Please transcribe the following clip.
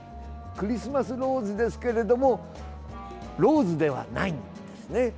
クリスマスローズですけれどもローズではないんですね。